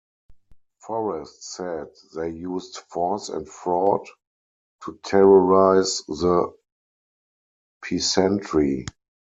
Forrest said they used "force and fraud" to "terrorise the... peasantry".